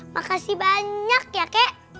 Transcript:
makasih banyak ya kek